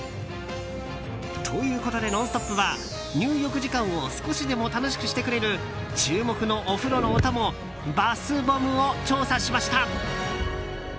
ということで「ノンストップ！」は入浴時間を少しでも楽しくしてくれる注目のお風呂のお供バスボムを調査しました。